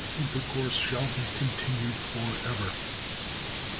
Intercourse shall be continued forever."